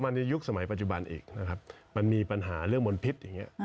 ในยุคสมัยปัจจุบันอีกนะครับมันมีปัญหาเรื่องมนพิษอย่างนี้